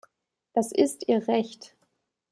Das ist ihr Recht.